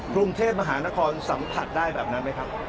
กรุงเทพมหานครสัมผัสได้แบบนั้นไหมครับ